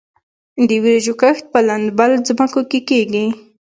د وریجو کښت په لندبل ځمکو کې کیږي.